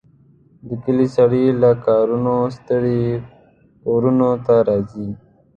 د کلي سړي له کارونو ستړي کورونو ته راځي.